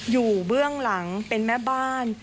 เบื้องหลังเป็นแม่บ้าน